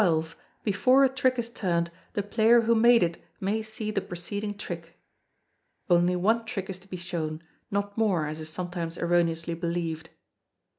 Before a trick is turned, the player who made it may see the preceding trick. [Only one trick is to be shown; not more, as is sometimes erroneously believed.